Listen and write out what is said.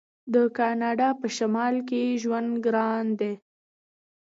د کاناډا په شمال کې ژوند ګران دی.